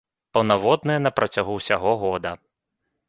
Паўнаводная на працягу ўсяго года.